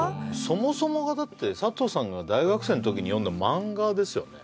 そもそもがだって佐藤さんが大学生の時に読んだ漫画ですよね